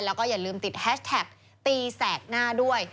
แล้วก็อย่าลืมติดแฮชแท็กตีแสกหน้าด้วย